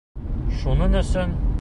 Шуның өсөн...